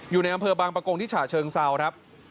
อยู่ในอำเภอบางประกงที่ฉะเชิงเซาครับ